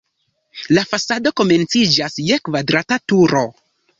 La fasado komenciĝas je kvadrata turo.